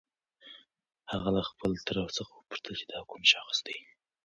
هغه له خپل تره څخه وپوښتل چې دا کوم شخص دی؟